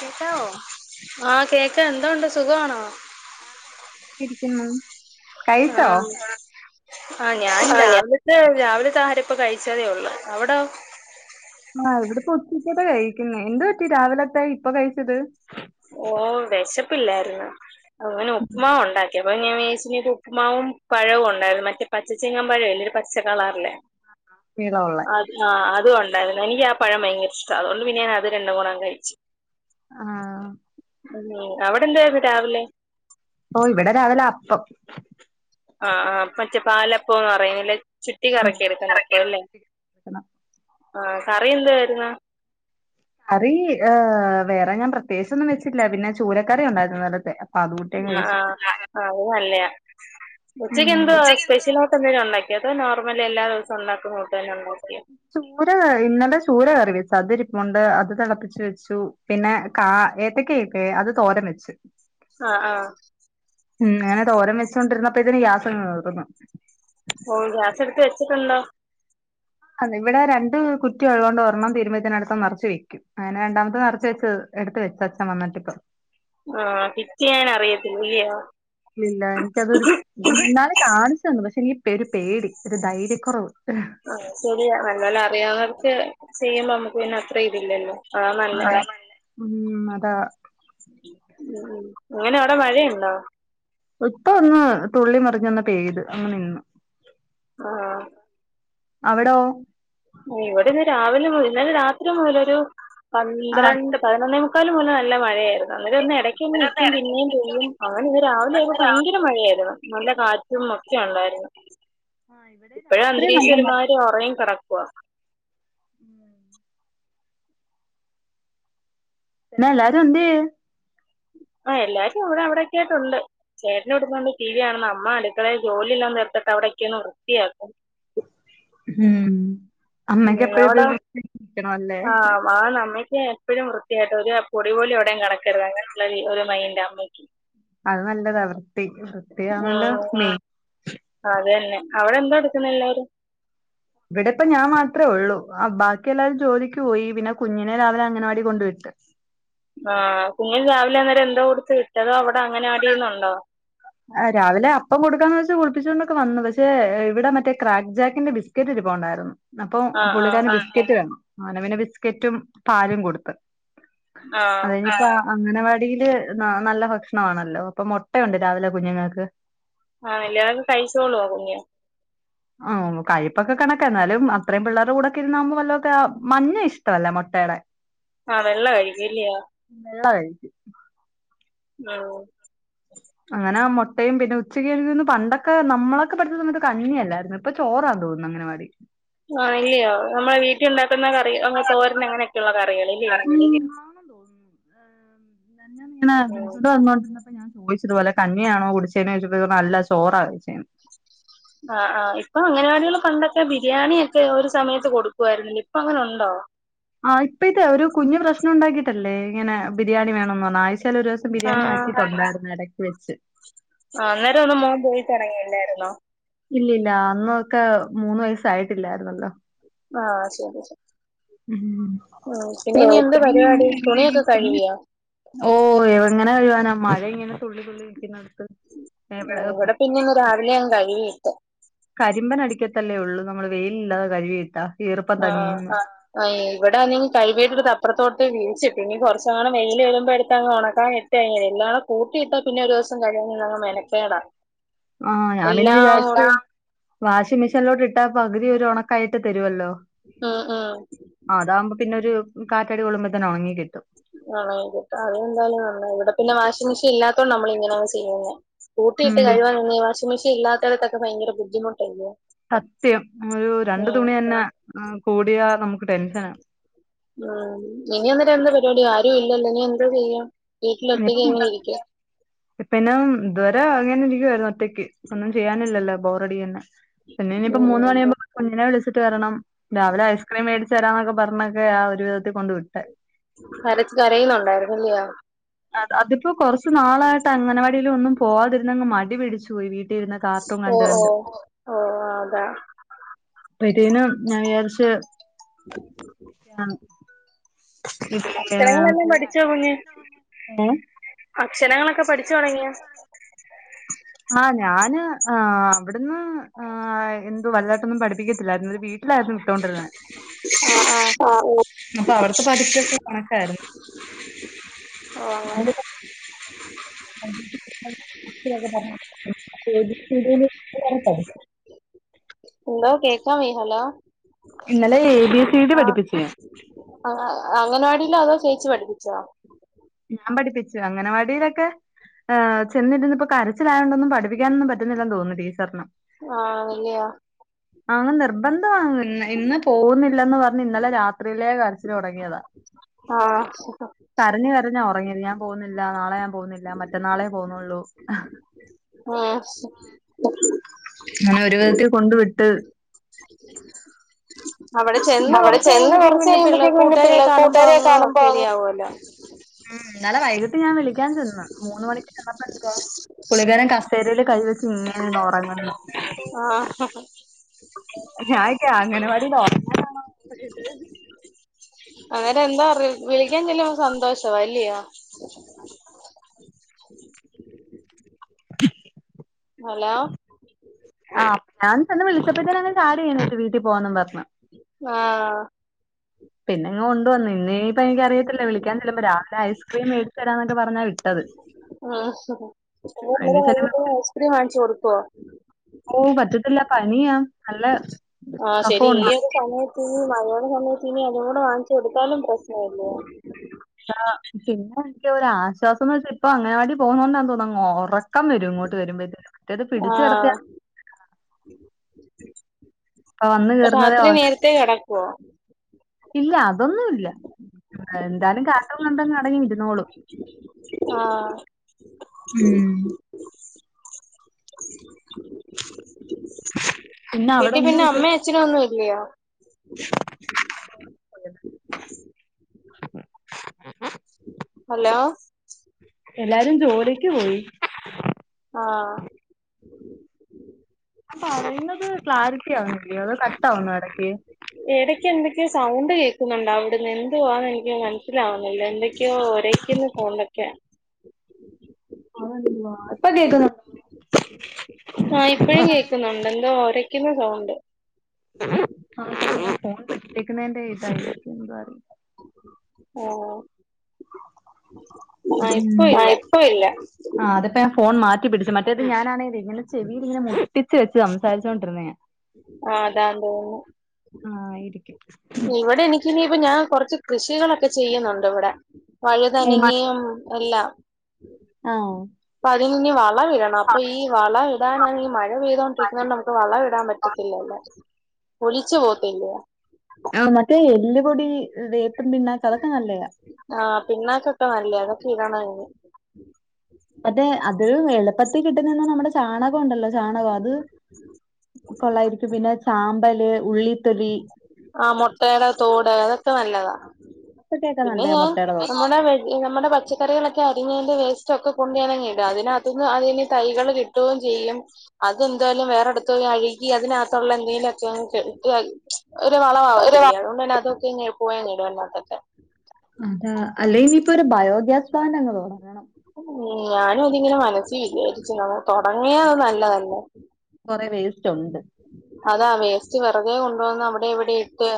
കേക്കാവോ ആഹ് കേക്കാ എന്തോ ഉണ്ട് സുഖമാണോ ആഹ [unintelligible] ആ ആ ഞാൻ രാവിലെ അ രാവിലെത്തെ ആഹാരം ഇപ്പൊ കഴിച്ചതേ ഉള്ളൂ അവിടോ ആഹ ഇവിടെ ഇപ്പോ ഉച്ചക്കത്തെ കഴിക്കുന്നെ എന്ത് പറ്റി രാവിലത്തെ ഇപ്പൊ കഴിച്ചത് ഓ വിശപ്പില്ലായിരുന്നു അങ്ങനെ ഉപ്പ്മാവ് ഉണ്ടാക്കി അപ്പൊ ഞാൻ വിചാരിച്ചു ഉപ്പ്മാവും പഴവും ഉണ്ടായിരുന്നു മറ്റേ പച്ചചെങ്ങാൻ പഴം ഇല്ല ഒരു പച്ച കളാറല്ലേ നീളം ഉള്ളെ അ ആ അതും ഉണ്ടായിരുന്നു എനിക്ക് ആ പഴം ഭയങ്കര ഇഷ്ട അതുകൊണ്ട് പിന്നെ ഞാൻ അത് രണ്ടും കൂടെ കഴിച്ചു ആഹ ഉവോ അവിടെന്തായിരുന്നു രാവിലെ ഓ ഇവിടെ രാവിലെ അപ്പം ആ ആ മറ്റേ പാലപ്പം പറയുന്നത് അല്ലെ ചി ചട്ടി ഉം കറക്കി എടുക്കുന്ന അപ്പല്ലേ ആ കറി എന്തായിന്നു കറി ഏ വേറെ ഞാൻ പ്രത്യേകിച്ചൊന്നും വെച്ചില്ല പിന്നെ ചൂലക്കറി ഉണ്ടായിരുന്ന ഇന്നലത്തെ ആ ആഹ് ആ അത് നല്ലത ഉച്ചയ്ക്ക് എന്തോ ഉം സ്പെഷ്യൽ ആയിട്ട് എന്തേലും ഉണ്ടാക്കിയോ അത് നോർമൽ എല്ലാ ദിവസവും ഉണ്ടാക്കുന്ന ഫുഡ്‌ തന്നെ ഉണ്ടാക്കിയെ ചൂര ഇന്നലെ ചൂര കറി വെച്ച അതിരിപ്പുണ്ട് അത് തിളപ്പച്ചു വെച്ചു പിന്നെ കാ ഏത്തക്ക ഇല്ലേ അത് തോരൻ വെച്ചു ആഹ ആഹ ഉം അങ്ങനെ തോരം വെച്ചോണ്ടിരുന്നപ്പോത്തിന് ഗ്യാസ് അങ്ങ് തീർന്നു ഓ ഗ്യാസ് എടുത്ത് വെച്ചിട്ടുണ്ടോ അ ഇവിടെ രണ്ട് കുറ്റി ഉള്ളത് കൊണ്ട് ഒരെണ്ണം തീരുമ്പത്തിനടുത്തത്ത് നിറച്ചു വെക്കും അങ്ങനെ രണ്ടാമത് നിറച്ച് വെച്ചു എടുത്ത് വെച്ചു അച്ഛൻ വന്നിട്ട് ഇപ്പം ആഹ ഫിറ്റ് ചെയ്യാൻ അറിയത്തില്ലയോ ഇല്ല എനിക്കതൊരു ഇന്നാൾ കാണിച്ചന്നു പക്ഷെ എനിക്ക് ഒരു പേടി ഒരു ധൈര്യക്കുറവ് അത് ശെരിയാ നല്ലൊല്ലം അറിയാവുന്നവർക്ക് ചെയ്യുമ്പോ നമ്മുക്ക് പിന്നെ അത്ര ഇതില്ലല്ലോ അതാ നല്ലെ ഉം അതാ ഉ ഉ അങ്ങനെ അവിടെ മഴയുണ്ടോ ഇപ്പ അങ്ങ് തുള്ളി മറിഞ്ഞന്ന പെയ്ത് അങ്ങ് നിന്നു ആഹ അവിടോ ഇവിടെന്ന് രാവിലെ മുതൽ ഇന്നലെ രാത്രി മുതൽ ഒരു പന്ത്രണ്ട് പതിനൊന്നേമുക്കാൽ മുതൽ നല്ല മഴയായിരുന്നു അങ്ങനെ എടക്ക് ഒന്ന് ഇവിടൊന്ന് നിക്കും എടക്ക് പിന്നെയും നിക്കും പെയ്യും നിക്കും അങ്ങനെ ഇന്ന് രാവിലെ അങ്ങനെ ആയപ്പോ ഭയങ്കര രാത്രി മഴയായിരുന്നു നല്ല കാറ്റും ഒക്കെ ഉണ്ടായിരുന്നു ആഹ് ഇവിടെ ഇപ്പോഴും രാത്രി അന്തരീക്ഷം ഒരുമാരി ഉറങ്ങി കിടക്ക ഉം പിന്നെ എല്ലാരും ന്ദ്യേ ആ എല്ലാരും ഇവിടെ അവിടെൊക്ക ആയിട്ടുണ്ട് ചേട്ടനിവിടെ ഇരുന്നോണ്ട് ടിവി കാണുന്നു. അമ്മ അടുക്കളയിൽ ജോലി എല്ലാം തീർത്തിട്ട് അവിടെയൊക്കെ ഒന്ന് വൃത്തിയാക്കും ഉം ഉം, അമ്മക്ക് എപ്പഴും അവിടെ എപ്പഴും ആ [unintelligible] ആ അമ്മയ്ക്ക് എപ്പോഴും വൃത്തിയായിട്ട് ഒരു പൊടിപോലും എവിടയും കിടക്കരുത് അങ്ങനെയുള്ള ഒരു മൈൻറ് അമ്മക്ക് അത് നല്ലതാ വൃത്തി ഉം, വൃത്തിയാണല്ലെയി അത് തന്നെ അവിടെ എന്തൊ എടുക്കുന്നെ എല്ലാരും ഇവിടെപ്പ ഞാൻ മാത്രേ ഉള്ളു ആ ബാക്കി എല്ലാവരും ജോലിക്ക് പോയി പിന്നെ കുഞ്ഞിനെ രാവിലെ അങ്ങനവാടികൊണ്ട് കൊണ്ട് വിട്ട് ആഹ കുഞ്ഞിനു രാവിലെ അന്നേരം എന്തോ കൊട്ത്ത് വിട്ട് അതൊ അവിടെ അംഗനവാടിന്നുണ്ടോ രാവിലെ അപ്പം കൊടുക്കാന്ന് വെച്ചാ കുളപ്പിച്ചുകൊണ്ടൊക്കെ വന്നു പക്ഷേ ഇവിടെ മറ്റേക്രാക്ക്ക് ജാക്കിന്റെ ബ കെറ്റിരിപ്പ [unintelligible] ഉണ്ടായിരുന്നു ആ ആ അപ്പൊപുള്ളിക്കാരൻ [inaudible] ബിസ്ക്കറ്റ് വേണം അങ്ങനാപ്പിന്നെ ബിസ്കറ്റും പാലും കൊട്ത്ത് ആ അതപ്പ [unintelligible] അങ്ങനവാടിയില് നല്ല ഭക്ഷ പ്രഷ്ണ [unintelligible] മാണല്ലോ അപ്പം മുട്ടയുണ്ട് രാവിലെ കുഞ്ഞുങ്ങൾക്ക് ആ [unintelligible] കഴിച്ചോളൂോ കുഞ്ഞ് കഴിപ്പൊക്കെ കണക്കാ എന്നാലും അത്രേം പിള്ളേരുടെ കൂടെക്കിരുന്നാമ്പം വല്ലൊക്കെ മഞ്ഞ ഇഷ്ടമല്ല മൊട്ടയുടെ [inaudible] ആഹ വെള്ളകഴിക്കും ഇല്ല്യോ [unintelligible] [unintelligible] അങ്ങനെ ആ മുട്ടയും പിന്നെ ഉച്ചക്ക്ന്ന് [unintelligible] പണ്ടൊക്കെ നമ്മളൊക്കെ പഠിച്ചസമയത്ത് കഞ്ഞിയല്ലായിരുന്നു ഇപ്പൊ ചോറാ തോന്നുന്നു അങ്ങനവാടി ആഹ ഇല്ലയോ നമ്മളെ വീട്ടിൽ ഉണ്ടാക്കുന്ന കറി അങ്ങ തോരന അങ്ങനെയൊക്കെയുള്ളള്ള കറികൾ ഇല്ലയോ െ [unintelligible] ഉം. വിളിച്ചോട്ട വോ ഞാൻ ചോദിച്ചത്പോലെ കഞ്ഞിയണോ കുടിച്ചേോിച്ചപ്പോ അല്ല ചോറാ കഴിച്ചേന്ന് ആ് ആ് ഇപ്പൊ അങ്ങനവാടികൾ കണ്ടൊക്കെ ബിരിയാണിയ ഒക്കെ ഒരു സമയത്ത് കൊടുക്കുായിരുനു ഇപ്പൊ അങ്ങനെ ഉണ്ടോ ആ ഇപ്പ ഇത് ഒരു കുഞ്ഞു പ്രശ്നം ഉണ്ടാക്കിയിട്ടല്ലേ ഇങ്ങനെ ബിരിയാണി വേണംന്ന് പറഞ്ഞാ ആഴ്‌ച്ചാൽ ഒരു ആ ബിരിയാണി ആ ആക്കി [inaudible] തൊണ്ടായിരുന്നു ഇടക്ക വെച്ച് ആ അന്നേരം ഒന്ന് മോൻ പോോയി തുടങ്ങീല്ലാരുന്നോ ഇല്ലില്ല അന്നൊക്കെ മൂന്ന് വയസ്സായിട്ടില്ലായിരുന്നല്ലോ ആഹ ശരി ശ [unintelligible] [unintelligible] ഇനി എന്ത് പരിപാടി തുണിയൊക്കെ കഴുകിയോ ഓ എങ്ങനെ കഴുവാനമഴ ഇങ്ങനെ തുള്ളി തുള്ളിയിരിക്കുന്നടുത്ത് ഉം ഇവിടെ പിന്നെ ഇന്ന് രാവിലെ ഞാൻ കഴികിട്ട് കരിമ്പൻ അടിക്കത്തല്ലേ ഉള്ളൂ നമ്മള് വെയിലില്ലാതെ കഴവിയിട്ടാ ഈർപ്പം തങ്ങിന്ന് ആ ആ ഇവിടെ ആണെങ്കി കഴിവിട്ട് എടുത്തപ്പറത്തോട്ട് വിരിച്ചിട്ട് ഇനി കൊറച്ചോണം വെയിൽ വരുമ്പോ എടുത്ത് ങ്ങട്ട് ഒണക്കാനിട്ട്കഴിഞ്ഞാ എല്ലാ കൂട്ടയിട്ടാ പിന്നെ ഒരു ദിവസം കഴിഞ്ഞ ഇതങ്ങു മെനക്കേടാ ആഹ് ഞാൻ പിന്നെ എല്ലാം വിചാരിച്ച കൂടെ [unintelligible] വാഷിംഗ് മെഷീനിലോട്ടിട്ട പകുതി ഒരു ഒണക്കായിട്ട് തരുവല്ലോ ആ ആ ആ അതാകുമ്പോ പിന്നെരു കാറ്റടി കൊള്ളുമ്പോ തന്നെ ഒണങ്ങി കിട്ടും ആണോ അതെന്തായാലും നന്നായി ഇവടെ പിന്നെ വാഷിംഗ് മെഷീൻ ഇല്ലാതോണ്ട് നമ്മള് ഇങ്ങനാ ചെയ്യുന്നെ കൂട്ടിയിട്ട് ഉം കഴുവാനണങ്കി വാഷിങ്മെഷീൻ ഇല്ലാത്തടത്തൊക്കെ ഭയങ്കര ബുദ്ധിമുട്ടല്ലെ സത്യം ഒരു രണ്ടു തുണി തന്നെ കൂടിയാ നമുക്ക് ടെൻഷന ഉം ഇനി അന്നിട്ട് എന്താ പരിപാടി ആരും ഇല്ലല്ലോ ഇനി എന്താ ചെയ്യ വീട്ടില് ഒറ്റക്ക് ഇങ്ങനെ ഇരിക്ക ഇപ്പയെന്ന ഇതുവരെ ഇങ്ങനെ ഇരിക്കുവായിരുന്നു ഒറ്റയ്ക്ക് ഒന്നും ചെയ്യാനില്ലല്ലോ ബോറഡിയന്നെ പിന്ന ഇനിയിപ്പ മൂന്ന് ഉം മണിയാവുമ്പോ കുഞ്ഞിനെ വിളിച്ചിട്ട് വരണം രാവിലെ ഐസ്ക്രീം മേടിച്ച് തരാന്നൊക്കെ പറഞ്ഞൊക്കെ ആ ഒരു വിധത്തികൊണ്ട് വിട്ടെ കരച്ച് കരയുന്നുണ്ടായിരുന്നല്യോ? അ അതിപ്പോ കുറച്ച് നാളായിട്ട് അംഗനവാടിയിലൊന്നും പോവാതിരുന്നങ്ങ് മടി പിടിച്ച് പോയി വീട്ടി ട്ടിയിരുന്ന് കാർട്ടൂൺ ഓ കണ്ടു ഓ കണ്ട് ഓ അതാ പ്പതിനും ഞാൻ വിയാരിച്ച് [inaudible] ഇത് അക്ഷരങ്ങളെല്ലാം പോയി പഠിച്ചോ കുഞ്ഞ് ഏ അക്ഷരങ്ങളൊക്കെ പഠിച്ചു തൊടങ്ങിയോ ആഹ് ഞാന് ആ അവിടുന്ന് ആ എന്തു വലതാട്ടൊന്നും പഠിപ്പിക്കത്തില്ലായിരുനു ഒരു വീ ട്ടില്ലാര്ന്നു വിട്ടോണ്ടിര്ന്നേ ആ ആ ആഹ് ആഹ് അപ്പൊ അവ്ട്ത്തെ പഠിപ്പൊക്കെ കണക്കാര്ന്നു ആഹ് [unintelligible] ഇക്ക് വേഗം തരണം [unintelligible] എന്തോ കേക്കാവയ്യ ഹലോ ഇന്നലെ ഏതി ആഹ് അ അങ്ങനവാടീലോ അതോ ചേച്ചി പഠിപ്പിച്ചോ ഞാൻ പഠിപ്പിച്ച് അംഗനവാടീലൊക്കെ ആഹ് ചെന്നിരിന്നപ്പൊ കരച്ചിലായോണ്ടൊന്നും പഠിപ്പിക്കാനൊന്നും പറ്റ്ന്നില്ലന്ന് തോന്നുന്നു ടീച്ചർന് ആണല്ല്യോ അങ്ങന നിർബന്ധ ഒന്നുല്ല ഇന്ന് ഇന്ന് പോവുന്നില്ലന്ന് പറഞ്ഞ് ഇന്നലെ രാത്രിയിലേ കരച്ചിലൊടങ്ങിയതാ ആഹ് ഹ ഹാ കരഞ്ഞ് കരഞ്ഞാ ഒറങ്ങിയത് ഞാൻ പോവുന്നില്ല നാളെ ഞാൻ പോവുന്നില്ല മറ്റന്നാളെ പോവ്ന്നൊള്ളൂ ആഹ് ശ് അങ്ങനെ ഒരുവിധത്തി കൊണ്ട് വിട്ട് അവിടെ ചെന്ന് മവടെ കുറച്ച് ചെന്ന് കഴിയുമ്പോഴത്തേക്ക് പിന്നെ പിള്ള കൊറച്ചെയ്യുമ്പത്തേക്കും പിന്നേ പിള്ള കൂട്ടുകാരെ കാണുമ്പോ അ പോവുല്ലേ ഉം ഇന്നലെ വൈകിട്ട് ഞാൻ വിളിക്കാൻ ചെന്ന് മൂന്ന് മണിക്ക് ചെന്നപ്പണ്ടേ പുളളിക്കാരൻ കസേരേല് കൈവച്ച് ഇങ്ങനെണ്ട് ഒറങ്ങണ് ആഹ് ഹാ ഹ ഞാ ഇക്ക് അംഗനവാടീല്ഒറങ്ങനാണോ കൊണ്ടെവിട്ട് അന്നേരം എന്താ അറി വിളിക്കാൻ ചെല്ലുമ്പം സന്തോഷ അല്ലയോ ഠിക് ഹലോ ആ, ഞാൻ ചെന്ന് വിളിച്ചപ്പത്തേന് അങ്ങ് ചാടി വീണ് വീട്ടി പോവാന്നും പറ്ണ്. ആഹ്. പിന്നെ ഇങ്ങ് കൊണ്ടുവന്ന്, ഇന്നീപ്പ എനിക്കറിയത്തില്ല വിളിക്കാൻ ചെല്ലുമ്പോ രാവിലെ ഐസ്ക്രീം മേടിച്ച്തരാന്നൊക്ക പറഞ്ഞാ വി ആഹ്, ഹ ഹ അതിന് ഇന്നലെ ചെല്ലുമ്പോ വൈകീട്ട് ഐസ്ക്രീം വാങ്ങിച്ചു കൊടുതൊ? ഓം പറ്റത്തില്ല പനിയാ. നല്ല ആഹ്, ശരി കഫവുണ്ട് ഇയ്യേത് പനി വെച്ച് ഈ മഴയുള്ള സമയത്ത് ഇനി അതുംകൂടെ വാങ്ങിച്ച് കൊടുത്താലും പ്രശ്നല്ലേ. ആഹ്, പിന്നെ എനിക്കൊരാശ്വാസം ന്ന് വെച്ച ഇപ്പൊ അംഗനവാടി പോകുന്നോണ്ടാന്ന് തോൻന്നു അങ്ങ് ഒറ ക്കം വരും ഇങ്ങോട്ട് വെരുമ്പത്തേനും മറ്റേത് പിടിച്ച് കടത്തിയാൽ ഇപ്പ വന്ന് ഇപ്പൊ കേറുന്നതേ രാത്രി ഒറങ്ങ നേരത്തേ കെടക്കുവോ? ഇല്ല അതൊന്നുല്ല. എന്തായാലും കാർട്ടൂൺ കണ്ടങ്ങ് അടങ്ങി ഇരുന്നോളും. ആഹ് ഉം. പിന്നെ അവിടെ വീട്ടി എന്ത് പിന്നെ അമ്മേം വിശേഷം അച്ഛനൊന്നും ഇല്ലിയാ. [unintelligible] ഹലോ എല്ലാരും ജോലിക്ക് പോയി. ആഹ്‌. പറയുന്നത് ക്ലാരിറ്റി ആവ്ന്നില്ലേ? അത് കട്ടാവുന്നു എടക്ക്. എടക്ക് എന്തക്കേ സൗണ്ട് കേക്കുന്നുണ്ട് അവ്ട്ന്ന് ന്തുവാ എനിക്ക് മനസ്സിലാവുന്നില്ല എന്തൊക്യോ ഒര [unintelligible] [unintelligible] ഇപ്പൊ കേക്ക്ന്നുണ്ടോ? ആഹ്, ഇപ്പഴും കേക്ക്ന്നുണ്ട് ന്തോ ഒരയ്ക്കുന്ന സൗണ്ട്. [unintelligible] ഫോൺ പഠിപ്പിക്ക് ന്നയ്ന്റെ ആഹ് ആഹ് ഇപ്പൊ ആ ഇല്ല ഇപ്പ ഇല്ല. ആ, അതിപ്പോ ഞാൻ ഫോൺ മാറ്റി പിടിച്ചു, മറ്റേത് ഞാനാണേലേ ഇങ്ങനെ ചെവീലിങ്ങനെ മുട്ടിച്ചു വച്ച്‌ സംസാരിച്ചോണ്ടിരുന്നെയാ. ആ അതാന്ന്‌ തോന്നുന്നു. ആയിരിക്കും. ഇവിടെ എനിക്കിനിയിപ്പ ഞാൻ കൊറച്ച് കൃഷികളൊക്കെ ചെയ്യുന്നൊണ്ടിവിടെ, വഴുതനങേയും അല്ല ആഹ്‌. അപ്പതിനിനി വളവിടണം അപ്പൊ ഈ വള വിടാനാണെങ്കി ഈ മഴ പെയ്തൊണ്ടിരിക്കുന്നതോണ്ട് നമുക്ക് വളം ഇടാൻ പറ്റത്തില്ലല്ലോ, ഒലിച്ചു പോവത്തില്ലേ. ആഹ്‌, മറ്റേ എല്ല്പൊടി, വേപ്പുംപിണ്ണാക്ക്, അതൊക്കെ നല്ലയാ. ആ, പിണ്ണാക്കിട്ടാ നല്ലയാ അതൊക്കെ ഇടണം ഇനി. മറ്റേ അത് എളുപ്പത്തി കിട്ടുന്നന്ന നമ്മുടെ ചാണകം ഉണ്ടല്ലോ? ചാണകം, അത് കൊള്ളായിരിക്കും, പിന്നെ ചാമ്പല്, ഉള്ളിത്തൊലി ആ മൊട്ടേടെ തോട് അതൊക്കെ നല്ലതാ ഇതൊക്കെയൊക്കെ പിന്നെ നല്ലയാ ഞാൻ മുട്ടയുടെ കൂടെ നമ്മുടെ ഈ നമ്മടെ പച്ചക്കറികളൊക്കെ അരിഞ്ഞെന്റെ വേസ്റ്റ് ഒക്കെ കൊണ്ട് ഞാനങ്ങിട, അതിനകത്തുന്ന് അതിന് തൈകള് കി ട്ടുവേം ചെയ്യും അതെന്തായാലും വേറെടുത്തു പോയി അഴുകി അതിനകത്തുള്ള എന്തേലും ഒക്കെ അങ്ങ് [unintelligible] ഒരു അതാ വളാവത്തില്ലേ, അതുകൊണ്ട് തന്നെ അതൊക്കെ ങ്ങെപ്പോഴും അങ്ങിടും അതിനകത്തൊക്കെ. അതാ, അല്ലെ ഇനിയിപ്പൊരു ബയോഗ്യാസ് പ്ലാന്റങ്ങു തൊടങ്ങണം. ഉം, ഞാനും അതിങ്ങനെ മനസ്സി വിചാരിച്ചു, തൊടങ്ങിയാ അത് നല്ലതല്ലേ. കൊറേ വേസ്‌റ്റൊണ്ട്. അതാ വേസ്റ്റ് വെറുതെ കൊണ്ടുവന്ന് അവടെ ഇവിടെ ഇട്ട്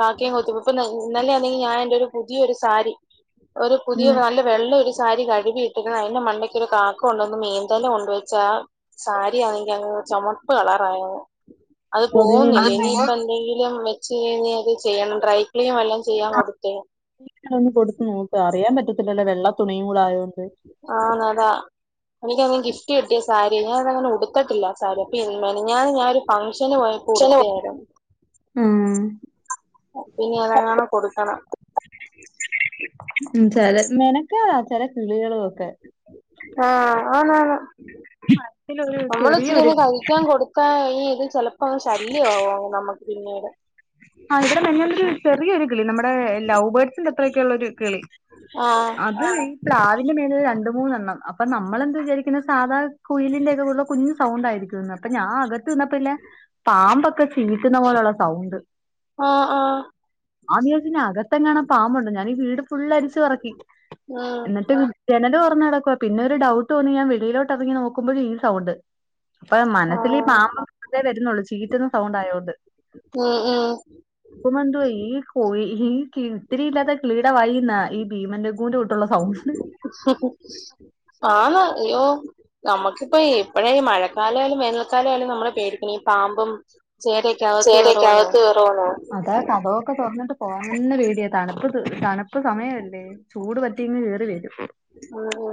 കാക്കേം കൊത്തി, ഇപ്പൊ ഇന്നലെയാണെങ്കിൽ ഞാനെന്റെ ഒരു പുതിയൊരു സാരി, ഒരു പുതിയ ഉം നല്ല നല്ലയൊരു സാരി കഴുകി ഇട്ടക്ക്ണ് അയിന്റെ മണ്ടക്കൊരു കാക്ക കൊണ്ടുവന്ന് മീന്തല കൊണ്ടുവെച്ചാ സാരിയാണെങ്കിയങ്ങു ചൊമപ്പ് കളറായങ്. അത് അതിന് പോകുന്നില്ല, എന്ത് ചെയ്യും ഇനിയിപ്പെന്തെങ്കിലും! ചെയ്യുവെങ്കി അത് ചെയ്യണം, ഡ്രൈ ക്ലീനിങ് വല്ലോം ചെയ്യാൻ കൊടുത്ത് എളുപ്പൊന്ന് കൊടുത്തു നോക്ക്, അറിയാൻ പറ്റത്തില്ലല്ലോ വെള്ള തുണീം കൂടെ ആയതോണ്ട്. ആണതാ എനിക്കാണെ ഗിഫ്റ്റ് കിട്ടിയ സാരിയ ഞാനതങ്ങനുടുത്തിട്ടില്ലാ സാരി, അപ്പ ഈ മിനിഞ്ഞാന്ന് ഞാനൊരു ഫംഗങ്ഷന് പോയ ചില ഉടുത്തയാരുന്നു, ഉം, ഇപ്പിനിയങ്ങനെ കൊടുക്കണം. ചെല മെനക്കേടാ, ചെല കിളികളൊക്കെ. ആ ആന്നാന്നു, ഇതിലൊരു നമ്മളിച്ചിരെ ചെറിയൊരു ഒന്ന് കഴിക്കാൻ കൊടു ആ ഈ ഇത് ചെലപ്പങ്ങു ശല്ല്യാവും അങ്ങ് നമക്ക് പിന്നീട്. ആ ഇവിടെ മിനിഞ്ഞാന്ന് ഒരു ചെറിയൊരു കിളി, നമ്മുടെ ലവ്ബേർഡ്സിന്റെ അത്രയൊക്കെള്ള ഒരു കിളി, ആഹ് അത് പ്ലാവിന്റെ മേല് രണ്ടുമൂന്നെണ്ണം, അപ്പൊ നമ്മളെന്താ വിചാരിക്കുന്നെ സാധാ കുയിലിന്റെ ഒക്കെ പോലുള്ള കുഞ്ഞു സൗണ്ട് ആയിരിക്കുന്ന്‌ അപ്പൊ ഞാൻ അകത്ത് നിന്നപ്പില്ലെ, പാമ്പൊക്കെ ചീറ്റുന്ന പോലെയൊള്ള സൗണ്ട് ആ ആ. ഞാൻ വിചാരിച്ചിനി അകത്തെങ്ങാനും പാമ്പൊണ്ടെന്നു, ഞാനീ വീട് ഫുള്ളരിച്ചു പെറക്കി, ഉം എന്നിട്ട് ജനല് തൊറന്ന് കെടക്കുവാ, പിന്നെ ഒരു ഡൌട്ട് തോന്നി ഞാൻ വെളീലോട്ടറങ്ങി നോക്കുമ്പഴും ഈ സൗണ്ട് അപ്പൊ മനസ്സിൽ ഈ ആഹ് പാമ്പ [inaudible] വരുന്നുള്ളൂ, ചീറ്റുന്ന സൗണ്ടായതോണ്ട് ഉം ഉം [unintelligible] ഈ കോ ഈ ഇത്തിരിയില്ലാത്ത കിളീടെ വായീന്നാ ഈ ഭീമന്റെ അയിന്റെ കൂട്ടോള്ള സൗണ്ട്. ഹ് ഹ് ആന്ന്‌ അയ്യോ നമുക്കിപ്പ എപ്പോഴും ഈ മഴക്കാലായാലും വേനൽക്കാലായാലും നമ്മള് പേടിക്കണം ഈ പാമ്പും ചേരയൊക്കെ അകത്ത് ചേര ഒകെ കേറൂന്ന് അകത്തു കേറുവോ ന്നേയ്. അതാ കതക്കൊക്കെ തുറന്നിട്ട് പോന്നന്ന പേടിയ, തണുപ്പ് തണുപ്പ് സമയംല്ലേ ചൂട് പറ്റിയങ്ങ് കയറി വരും. ഓ ഓ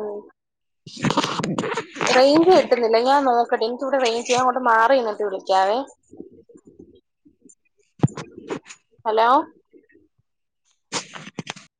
[inaudible] റേഞ്ച് കിട്ടുന്നില്ല ഞാൻ നോക്കട്ടെ, എനിക്കിവിടെ റേഞ്ച് ഞാൻ അങ്ങട് മാറിനിന്നിട്ട് വിളിക്കാവേ! [inaudible] ഹലോ [inaudible]